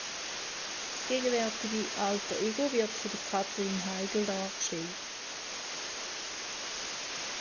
Das gegenwärtige Alter Ego wird von Katherine Heigl dargestellt.